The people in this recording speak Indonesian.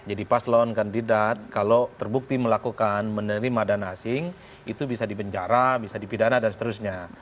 jadi pas lawan kandidat kalau terbukti melakukan menerima dana asing itu bisa dipenjara bisa dipidana dan seterusnya